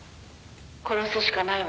「殺すしかないわ」